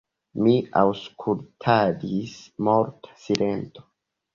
Mi aŭskultadis – morta silento.